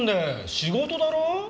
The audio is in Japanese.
仕事だろ？